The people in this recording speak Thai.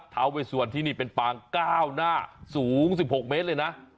ท้าเวสวรรที่นี่เป็นปางก้าวหน้าสูง๑๖เมตรเลยนะ